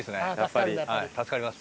助かります。